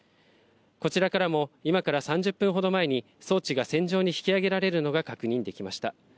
こちらからも今から３０分ほど前に、装置が船上に引き上げられるのが確認できました。